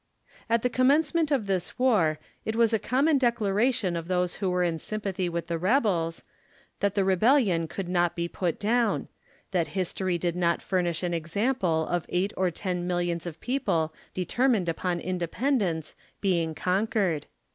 At the commencement of this war, it was a common declaration of those who were in sympathy with the rebels, that the rebellion could not be put down ; that history did not furnish an example of eight or ten millions of people determined on independence being conquered.